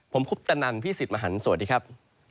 ผมคุปตะนันพี่สิทธิ์มหันฯสวัสดีครับ